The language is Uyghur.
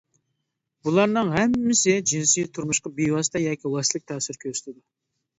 بۇلارنىڭ ھەممىسى جىنسىي تۇرمۇشقا بىۋاسىتە ياكى ۋاسىتىلىك تەسىر كۆرسىتىدۇ.